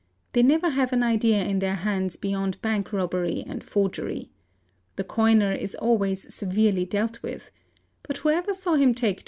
They nevet have an idea in their heads beyond bank robbery and forgery. The coiner is always severely dealt with; but whoever saw him take tot .